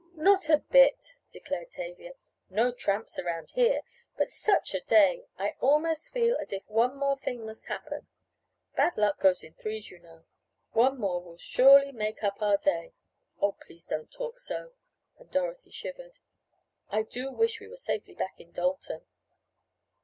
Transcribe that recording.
"Not a bit," declared Tavia. "No tramps around here. But such a day! I almost feel as if one more thing must happen. Bad luck goes in threes, you know. One more will surely make up our day " "Oh, please don't talk so," and Dorothy shivered. "I do wish we were safely back in Dalton."